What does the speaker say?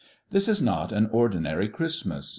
For this is not an ordinary Christmas.